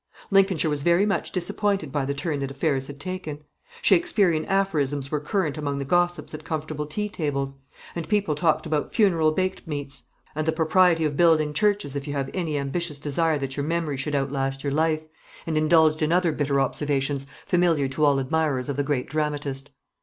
Lincolnshire was very much disappointed by the turn that affairs had taken. Shakesperian aphorisms were current among the gossips at comfortable tea tables; and people talked about funeral baked meats, and the propriety of building churches if you have any ambitious desire that your memory should outlast your life; and indulged in other bitter observations, familiar to all admirers of the great dramatist.